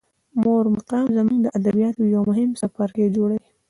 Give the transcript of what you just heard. د مور مقام زموږ د ادبیاتو یو مهم څپرکی جوړوي.